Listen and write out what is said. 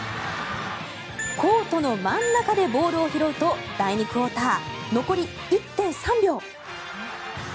コートの真ん中でボールを拾うと第２クオーター残り１．３秒。